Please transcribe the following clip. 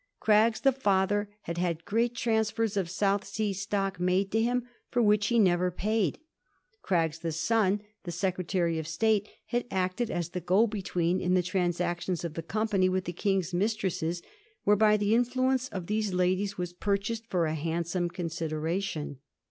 Craggs the father had had great transfers of South Sea stock made to him, for which he never paid. Craggs the son, the Secre tary of State, had acted as the go between in the transactions of the Company with the King's mis tresses, whereby the influence of these ladies was purchased for a ha, ndsome consideration.